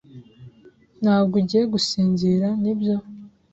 Ntabwo ugiye gusinzira, nibyo?